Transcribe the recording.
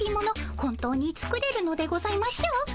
本当に作れるのでございましょうか？